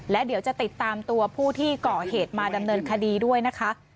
และเดี๋ยวจะติดตามตัวผู้ที่ก่อเหตุมาดำเนินคดีด้วยนะคะ